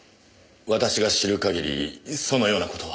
私が知る限りそのような事は。